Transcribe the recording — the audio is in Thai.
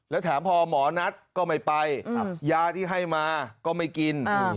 แล้วแถมพอหมอนัทก็ไม่ไปยาที่ให้มาก็ไม่กิน